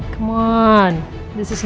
c'mon ini bukan benar al